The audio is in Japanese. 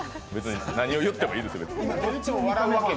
何を言ってもいいですよ、別に。